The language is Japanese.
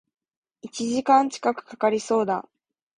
一時間近く掛かりそうだ